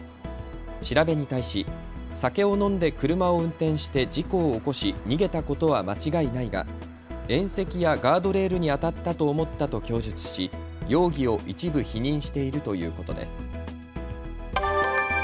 調べに対し、酒を飲んで車を運転して事故を起こし逃げたことは間違いないが縁石やガードレールに当たったと思ったと供述し容疑を一部否認しているということです。